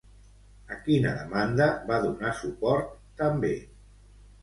A quina demanda va donar suport, també?